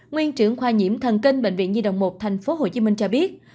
nguyên trưởng khoa nhiễm thần kinh bệnh viện nhi đồng một tp hcm cho biết